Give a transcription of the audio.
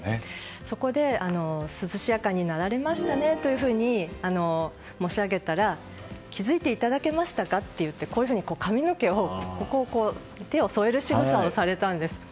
そこで、涼しやかになられましたねと申し上げたら、気づいていただけましたか？と言って髪の毛に手を添えるしぐさをされたんです。